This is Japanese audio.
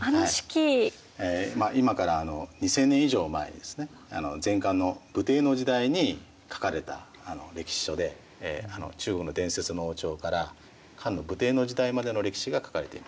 今から２，０００年以上前ですね前漢の武帝の時代に書かれた歴史書で中国の伝説の王朝から漢の武帝の時代までの歴史が書かれています。